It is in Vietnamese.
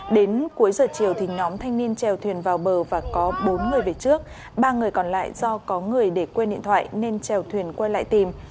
đến cuối giờ chiều thì nhóm thanh niên trèo thuyền vào bờ và có bốn người về trước ba người còn lại do có người để quên điện thoại nên trèo thuyền quay lại tìm